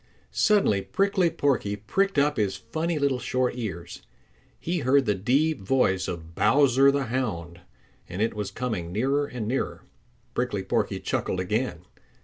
Suddenly Prickly Porky pricked up his funny little short ears. He heard the deep voice of Bowser the Hound, and it was coming nearer and nearer. Prickly Porky chuckled again.